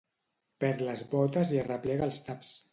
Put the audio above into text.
Perd les botes i arreplega els taps.